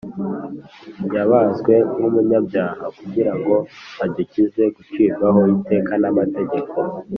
yabazwe nk’umunyabyaha, kugira ngo adukize gucirwaho iteka n’amategeko